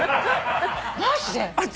マジで？